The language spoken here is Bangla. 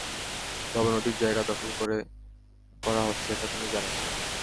তবে নদীর জায়গা দখল করে করা হচ্ছে, এটা তিনি জানেন না।